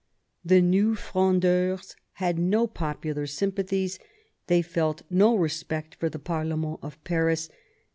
The New Frondeurs had no. popular sympathies ; they felt no respect for the parlement of Paris.